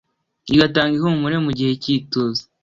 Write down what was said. igatanga ihumure mu gihe cy’ituze